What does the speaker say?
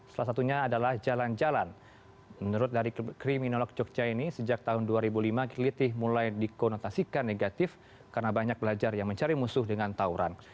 salah satunya adalah jalan jalan menurut dari kriminolog jogja ini sejak tahun dua ribu lima gelitih mulai dikonotasikan negatif karena banyak belajar yang mencari musuh dengan tauran